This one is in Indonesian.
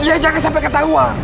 iya jangan sampai ketahuan